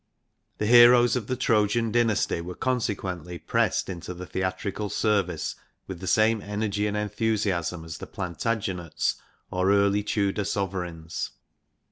The heroes of the Trojan dynasty were con sequently pressed into the theatrical service with the same ! energy and enthusiasm as the Plantagenets or early Tudor (sovereigns.